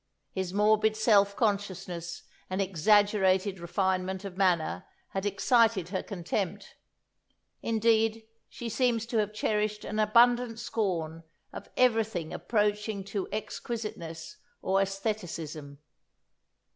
His morbid self consciousness and exaggerated refinement of manner, had excited her contempt. Indeed, she seems to have cherished an abundant scorn of everything approaching to exquisiteness or "æstheticism."